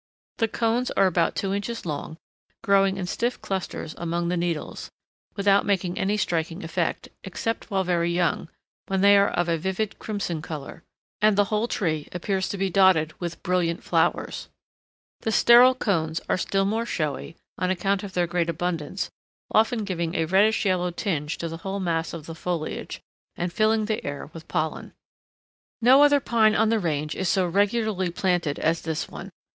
The cones are about two inches long, growing in stiff clusters among the needles, without making any striking effect, except while very young, when they are of a vivid crimson color, and the whole tree appears to be dotted with brilliant flowers. The sterile cones are still more showy, on account of their great abundance, often giving a reddish yellow tinge to the whole mass of the foliage, and filling the air with pollen. No other pine on the range is so regularly planted as this one.